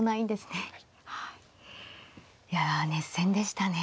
いや熱戦でしたね。